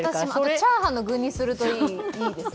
チャーハンの具にするといいですよ。